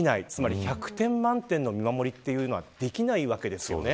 つまり１００点満点の見守りはできないわけですよね。